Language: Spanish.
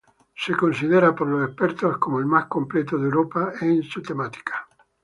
Se considera por los expertos como el más completo de Europa en su temática.